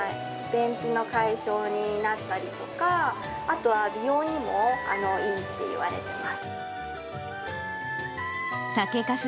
便秘の解消になったりとか、あとは美容にもいいといわれています。